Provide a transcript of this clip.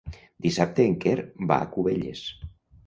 Dissabte en Quer va a Cubelles.